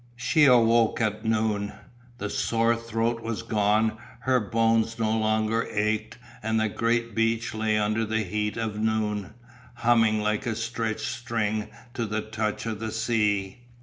She awoke at noon; the sore throat was gone, her bones no longer ached and the great beach lay under the heat of noon, humming like a stretched string to the touch of the sea.